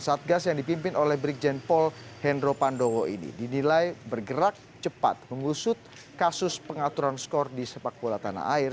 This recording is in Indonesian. satgas yang dipimpin oleh brigjen paul hendro pandowo ini dinilai bergerak cepat mengusut kasus pengaturan skor di sepak bola tanah air